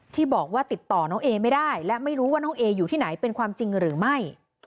ที่บอกว่าติดต่อน้องเอไม่ได้และไม่รู้ว่าน้องเออยู่ที่ไหนเป็นความจริงหรือไม่